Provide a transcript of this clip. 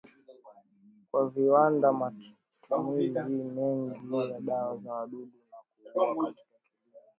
kwa viwandaMatumizi mengi ya dawa za wadudu au dawa katika kilimo